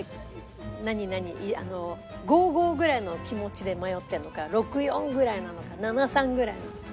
５：５ぐらいの気持ちで迷ってるのか６：４ぐらいなのか７：３ぐらいなのか。